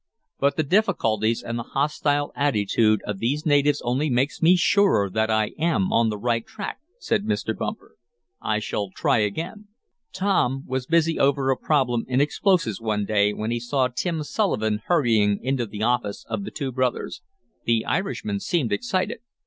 "But the difficulties and the hostile attitude of these natives only makes me surer that I am on the right track," said Mr. Bumper. "I shall try again." Tom was busy over a problem in explosives one day when he saw Tim Sullivan hurrying into the office of the two brothers. The Irishman seemed excited.